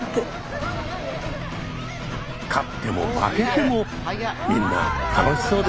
勝っても負けてもみんな楽しそうです。